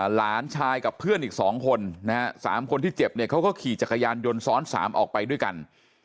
หลานชายกับเพื่อนอีก๒คนนะฮะ๓คนที่เจ็บเนี่ยเขาก็ขี่จักรยานยนต์ซ้อน๓ออกไปด้วยกัน